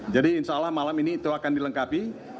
jadi insya allah malam ini itu akan dilengkapi